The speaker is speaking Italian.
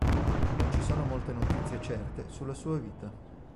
Non ci sono molte notizie certe sulla sua vita.